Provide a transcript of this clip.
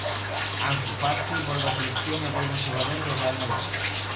Ansu Fati volve á selección e volve un xogador do Real Madrid.